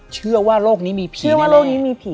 เชื่อว่าโลกนี้มีผีแน่